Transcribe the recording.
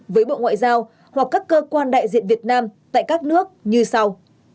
với bộ ngoại giao hoặc các cơ quan đại diện việt nam tại các nước như sau